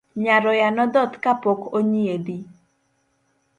Nyaroya nodhoth kapok onyiedhi